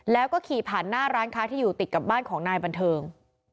แล้วก็ขี่ผ่านหน้าร้านค้าที่อยู่ติดกับบ้านของนายบันเทิง